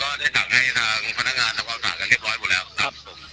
ได้สั่งให้ทางพนักงานทำความสะอาดกันเรียบร้อยหมดแล้วครับผม